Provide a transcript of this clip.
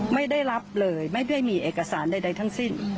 ไม่ได้รับเลยไม่ได้มีเอกสารใดทั้งสิ้น